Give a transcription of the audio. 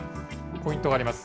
ポイントがあります。